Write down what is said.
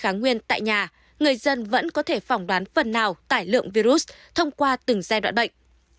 người dân vẫn có thể phỏng đoán phần nào tài lượng virus thông qua từng giai đoạn bệnh